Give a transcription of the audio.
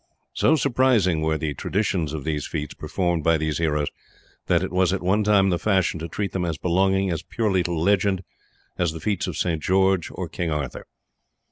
So surprising were the traditions of these feats performed by these heroes that it was at one time the fashion to treat them as belonging as purely to legend as the feats of St. George or King Arthur.